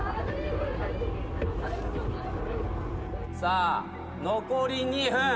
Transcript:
さあ残り２分。